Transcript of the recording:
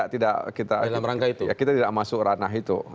tidak kita tidak masuk ranah itu